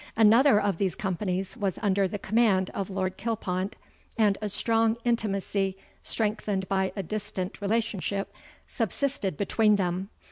another of these companies was under the command of Lord Kilpont, and a strong intimacy, strengthened by a distant relationship, subsisted between them.